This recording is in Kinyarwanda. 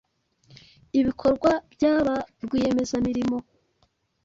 ibikorwa bya ba Rwiyemezamirimo